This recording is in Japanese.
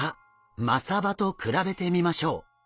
マサバと比べてみましょう。